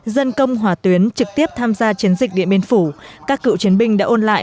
dân công hỏa tuyến trực tiếp tham gia chiến dịch điện biên phủ các cựu chiến binh đã ôn lại